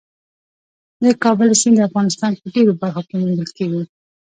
د کابل سیند د افغانستان په ډېرو برخو کې موندل کېږي.